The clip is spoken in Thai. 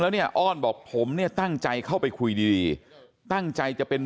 แล้วเนี่ยอ้อนบอกผมเนี่ยตั้งใจเข้าไปคุยดีตั้งใจจะเป็น